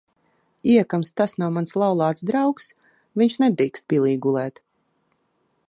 Iekams tas nav mans laulāts draugs, viņš nedrīkst pilī gulēt.